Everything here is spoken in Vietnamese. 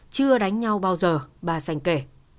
chưa đánh nhau bao giờ bà xanh kể